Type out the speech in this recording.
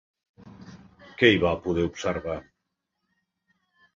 Què hi va poder observar?